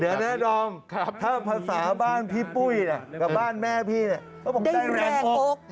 เดี๋ยวแน่นอนถ้าภาษาบ้านพี่ปุ้ยกับบ้านแม่พี่ก็บอกได้แรงอก